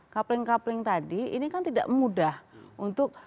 coupling coupling tadi ini kan tidak mudah untuk